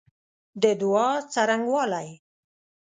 د دعا څرنګوالی